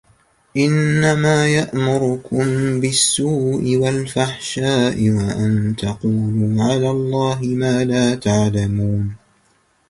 إنما يأمركم بالسوء والفحشاء وأن تقولوا على الله ما لا تعلمون